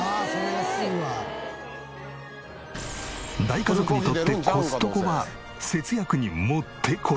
大家族にとってコストコは節約に持ってこい。